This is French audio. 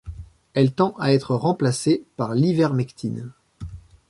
Elle tend à être remplacée par l'ivermectine.